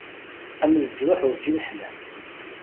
Am leǧruḥ urǧin ḥlan.